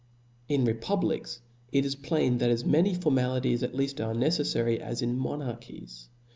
In republics it is plain, that as many formalities at lead are neceflary as in monarchies.